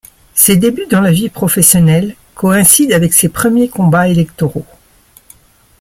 Ses débuts dans la vie professionnelle coïncident avec ses premiers combats électoraux.